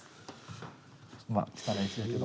まあ汚い字やけど。